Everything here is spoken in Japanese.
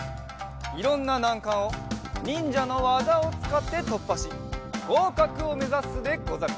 いろんななんかんをにんじゃのわざをつかってとっぱしごうかくをめざすでござる！